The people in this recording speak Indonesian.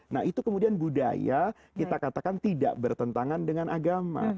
nah itu kemudian budaya kita katakan tidak bertentangan dengan agama